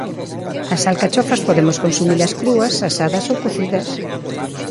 As alcachofas podemos consumilas crúas, asadas ou cocidas.